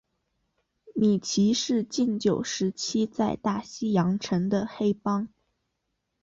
米奇是禁酒时期在大西洋城的黑帮。